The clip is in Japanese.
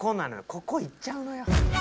ここいっちゃうのよ。